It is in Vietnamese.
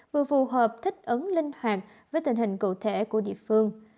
vừa phù hợp thích ứng linh hoạt với tình hình cụ thể của địa phương